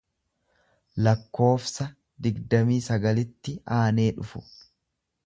lakkoofsa digdamii sagalitti aanee dhufu.